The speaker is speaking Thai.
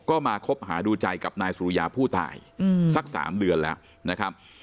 ก็มาคบหาดูใจกับนายสุริยาผู้ตายสัก๓เดือนแล้วนะครับ